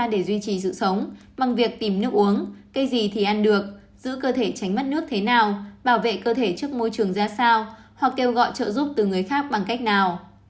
để duy trì sự sống bằng việc tìm nước uống cây gì thì ăn được giữ cơ thể tránh mất nước thế nào bảo vệ cơ thể trước môi trường ra sao hoặc kêu gọi trợ giúp từ người khác bằng cách nào